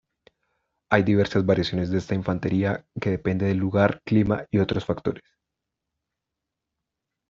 Hay diversas variaciones de esta infantería que depende del lugar, clima y otros factores.